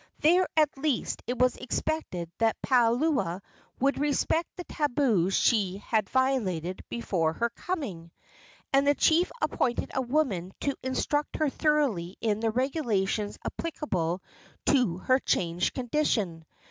There, at least, it was expected that Palua would respect the tabus she had violated before her coming, and the chief appointed a woman to instruct her thoroughly in the regulations applicable to her changed condition.